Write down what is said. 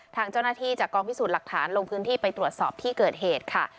ทางเจ้าหน้าที่จากกองพิสูจน์หลักฐานลงพื้นที่ไปตรวจสอบที่เกิดเหตุค่ะ